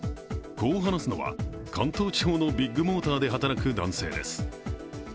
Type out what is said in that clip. こう話すのは、関東地方のビッグモーターで働く男性です。